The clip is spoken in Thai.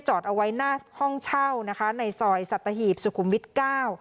จอดเอาไว้หน้าห้องเช่านะคะในซอยสัตหีบสุขุมวิทย์เก้า